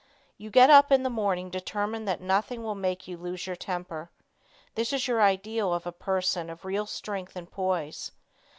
You get up in the morning determined that nothing will make you lose your temper. This is your ideal of a person of real strength and poise.